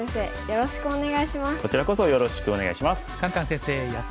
よろしくお願いします。